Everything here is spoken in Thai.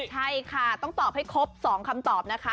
ใช่ค่ะต้องตอบให้ครบ๒คำตอบนะคะ